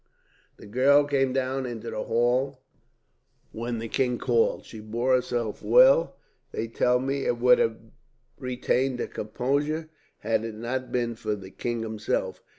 The girl came down into the hall when the king called. She bore herself well, they tell me, and would have retained her composure, had it not been for the king himself.